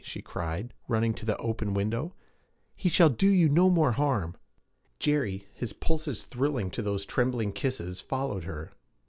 she cried, running to the open window. 'He shall do you no more harm!' Jerry, his pulses thrilling to those trembling kisses, followed her.